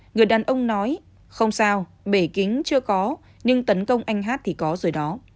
người đàn ông nói không sao bể kính chưa có nhưng tấn công anh h thì có